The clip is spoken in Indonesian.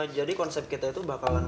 jadi konsep kita itu bakalan